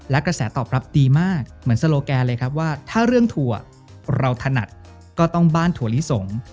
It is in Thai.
และกระแสตอบรับดีมากเหมือนโซโลแกนเลยครับว่าถ้าเรื่องถั่วเราถนัดก็ต้องบ้านถั่วลิสง